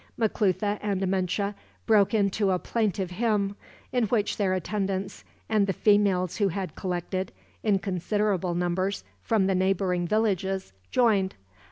Maclutha and Amenche broke into a plaintive hymn, in which their attendants, and the females who had collected, in considerable numbers, from the neighboring villages, joined.